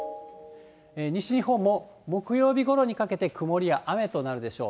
西日本も木曜日ごろにかけて、曇りや雨となるでしょう。